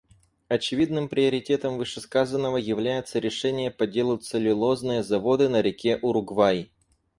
Очевидным примером вышесказанного является решение по делу «Целлюлозные заводы на реке Уругвай».